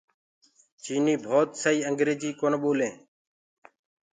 چآئيٚنج ڀوت سئي اينگريجيٚ ڪونآ ٻولينٚ۔